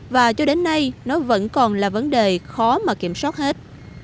và cho đến nay nó vẫn còn là vấn đề khó mà kiểm soát hết